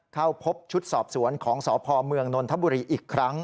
เข้าพบชุดสอบสวนของสพเมืองนนทบุรีอีกครั้ง